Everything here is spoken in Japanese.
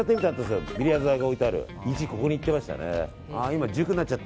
よくここに行っていましたね。